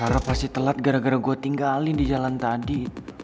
harap pasti telat gara gara gue tinggalin di jalan tadi